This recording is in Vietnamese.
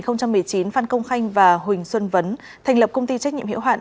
năm hai nghìn một mươi chín phan công khanh và huỳnh xuân vấn thành lập công ty trách nhiệm hiệu hạn